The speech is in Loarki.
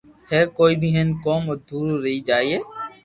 ھي ڪوئي ني ھين ڪوم ادھورو رئي جائي